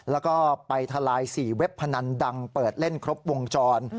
แล้วก็ไปทลาย๔เว็บพนันดังเปิดเล่นครบวงจร